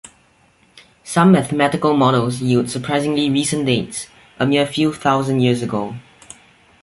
Some mathematical models yield surprisingly recent dates, a mere few thousand years ago.